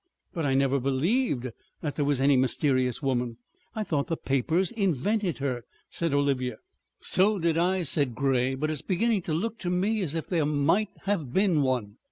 "But I never believed that there was any mysterious woman, I thought the papers invented her," said Olivia. "So did I," said Grey. "But it's beginning to look to me as if there might have been one."